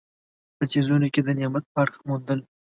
په څیزونو کې د نعمت اړخ موندل.